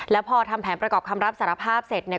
แล้วพอทำแผนประกอบคำรับสารภาพเสร็จเนี่ย